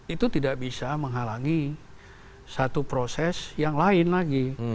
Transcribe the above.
itu tidak bisa menghalangi satu proses yang lain lagi